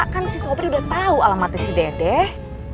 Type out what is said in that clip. kan si sobri udah tau alamatnya si dedeh